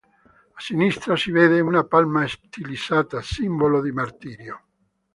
A sinistra si vede una palma stilizzata, simbolo di martirio.